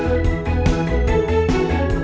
yaudah kalian jalan duluan ya